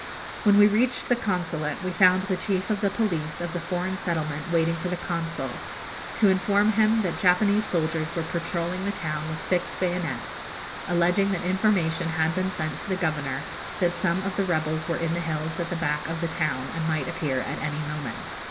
When we reached the Consulate we found the chief of the police of the foreign settlement waiting for the Consul, to inform him that Japanese soldiers were patrolling the town with fixed bayonets, alleging that information had been sent to the Governor that some of the rebels were in the hills at the back of the town, and might appear at any moment.